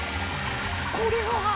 これは。